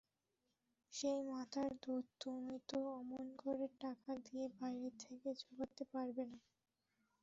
সেই মাতার দুধ তুমি তো অমন করে টাকা দিয়ে বাইরে থেকে জোগাতে পারবে না।